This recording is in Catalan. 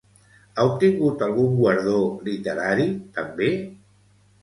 Ha obtingut algun guardó literari també?